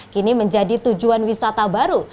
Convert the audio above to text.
kini menjadi tujuan wisata baru